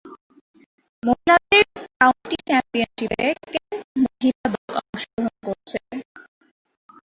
মহিলাদের কাউন্টি চ্যাম্পিয়নশীপে কেন্ট মহিলা দল অংশগ্রহণ করছে।